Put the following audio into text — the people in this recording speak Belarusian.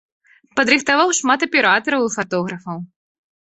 Падрыхтаваў шмат аператараў і фатографаў.